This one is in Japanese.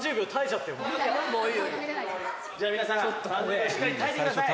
「じゃあ皆さん３０秒しっかり耐えてください」